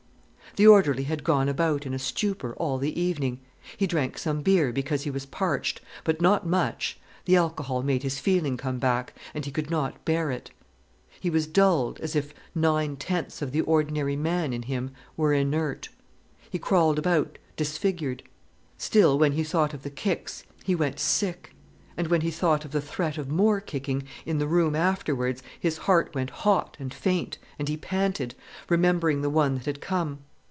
The orderly had gone about in a stupor all the evening. He drank some beer because he was parched, but not much, the alcohol made his feeling come back, and he could not bear it. He was dulled, as if nine tenths of the ordinary man in him were inert. He crawled about disfigured. Still, when he thought of the kicks, he went sick, and when he thought of the threat of more kicking, in the room afterwards, his heart went hot and faint, and he panted, remembering the one that had come.